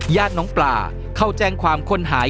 ญาติน้องปลาเข้าแจ้งความคนหาย